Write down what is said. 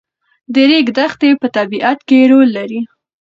د ریګ دښتې په طبیعت کې رول لري.